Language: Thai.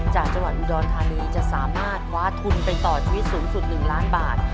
จากจังหวัดอุดรธานีจะสามารถคว้าทุนไปต่อชีวิตสูงสุด๑ล้านบาท